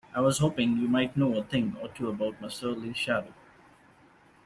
I was hoping you might know a thing or two about my surly shadow?